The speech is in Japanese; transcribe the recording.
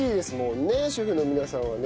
主婦の皆さんはね。